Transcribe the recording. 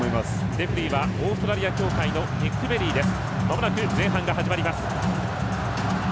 レフリーはオーストラリア協会のニック・ベリーです。